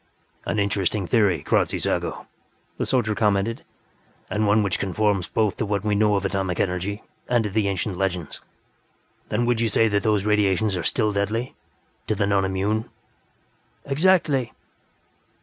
"An interesting theory, Kradzy Zago," the soldier commented. "And one which conforms both to what we know of atomic energy and to the ancient legends. Then you would say that those radiations are still deadly to the non immune?" "Exactly.